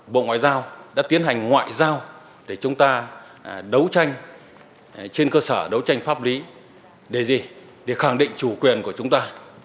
bộ ngoại giao đã tiến hành ngoại giao để chúng ta đấu tranh trên cơ sở đấu tranh pháp lý để gì để khẳng định chủ quyền của chúng ta